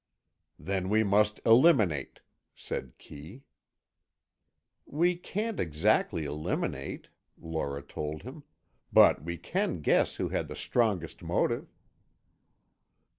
"Then we must eliminate," said Kee. "We can't exactly eliminate," Lora told him, "but we can guess who had the strongest motive."